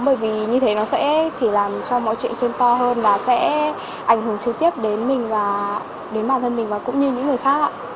bởi vì như thế nó sẽ chỉ làm cho mọi chuyện trên to hơn và sẽ ảnh hưởng trực tiếp đến mình và đến bản thân mình và cũng như những người khác ạ